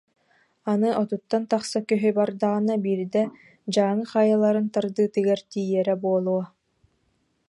Аны отуттан тахса көһү бардаҕына биирдэ Дьааҥы хайаларын тардыытыгар тиийэрэ буолуо